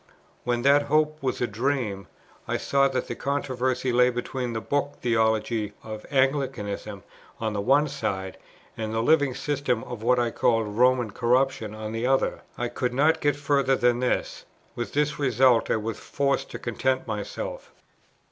When that hope was a dream, I saw that the controversy lay between the book theology of Anglicanism on the one side, and the living system of what I called Roman corruption on the other. I could not get further than this; with this result I was forced to content myself.